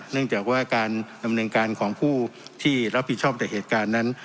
เนื่องจากว่าการดำเนินการของผู้ที่รับผิดชอบแต่เหตุการณ์นั้น